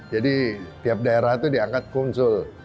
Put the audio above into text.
jadi tiap daerah itu diangkat konsul